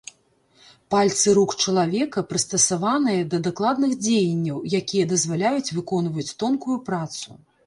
Пальцы рук чалавека прыстасаваныя да дакладных дзеянняў, якія дазваляюць выконваць тонкую працу.